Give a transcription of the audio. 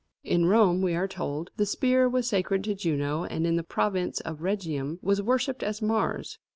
In Rome, we are told, the spear was sacred to Juno, and in the province of Rhegium was worshipped as Mars.